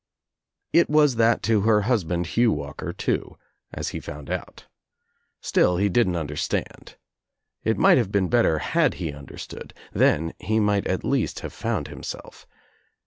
It was that to her husband Hugh Walker, too, as he found out. Still he didn't understand. It might have been better had he understood, then he might at least have found himself.